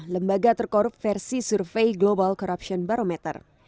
lembaga terkorup versi survei global corruption barometer